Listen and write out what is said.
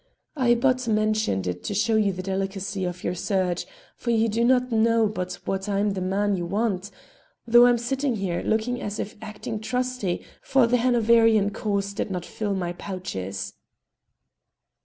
I but mentioned it to show you the delicacy of your search, for you do not know but what I'm the very man you want, though I'm sitting here looking as if acting trusty for the Hanoverian cause did not fill my pouches."